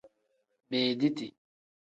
Beediti.